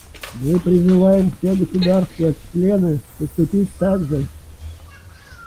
Мы призываем все государства-члены поступить так же.